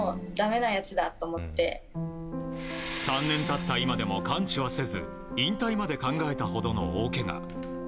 ３年経った今でも完治はせず引退まで考えたほどの大けが。